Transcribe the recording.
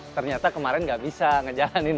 ternyata kemarin gak bisa ngejalanin